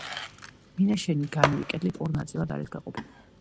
მინაშენი განივი კედლით ორ ნაწილად არის გაყოფილი.